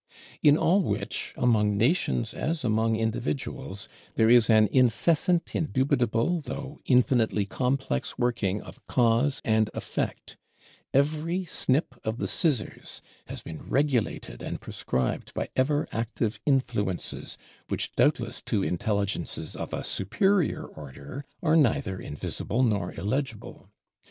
In all which, among nations as among individuals, there is an incessant, indubitable, though infinitely complex working of Cause and Effect: every snip of the Scissors has been regulated and prescribed by ever active Influences, which doubtless to Intelligences of a superior order are neither invisible nor illegible.